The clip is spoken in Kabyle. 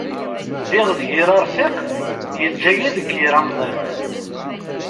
Ddiɣ d yir arfiq, yeǧǧa-yi deg yir amḍiq.